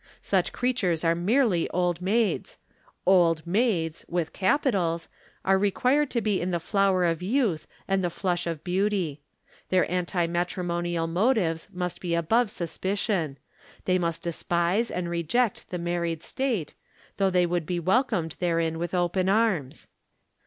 Such creatures are merely old maids Old Maids (with capitals) were required to be in the flower of youth and the flush of beauty. Their anti matrimonial motives must be above suspicion. They must despise and reject the married state, though they would be welcomed therein with open arms.